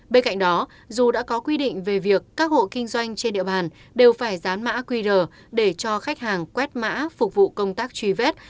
bên cạnh đó dù đã có quy định về việc các hộ kinh doanh trên địa bàn đều phải dán mã qr để cho khách hàng quét mã phục vụ công tác truy vết